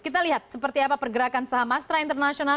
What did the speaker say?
kita lihat seperti apa pergerakan saham astra internasional